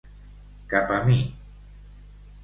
Cap a mi.